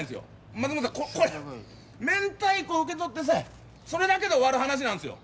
松本さんこれめんたいこ受け取ってさえそれだけで終わる話なんですよ